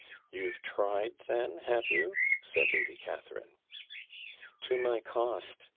'You've tried then, have you?' said Lady Catharine. 'To my cost.